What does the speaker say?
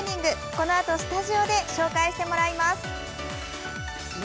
このあとスタジオで紹介してもらいます。